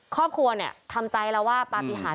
ครอบครัวเนี่ยทำใจแล้วว่าปฏิหาร